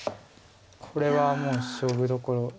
これはもう勝負どころ。